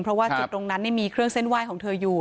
เพราะว่าจุดตรงนั้นมีเครื่องเส้นไหว้ของเธออยู่